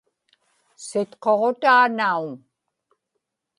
sitquġutaa nauŋ